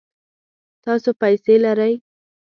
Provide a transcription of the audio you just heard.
تاسو پیسې لرئ؟